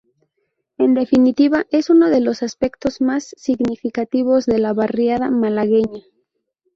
En definitiva, es uno de los aspectos más significativos de la barriada malagueña.